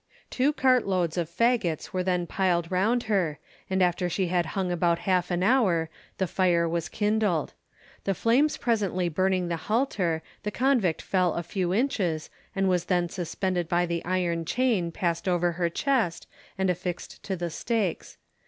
Two cart loads of faggots were then piled round her, and after she had hung about half an hour, the fire was kindled. The flames presently burning the halter, the convict fell a few inches, and was then suspended by the iron chain passed over her chest and affixed to the stakes.